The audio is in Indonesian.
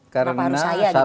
kenapa harus saya gitu pak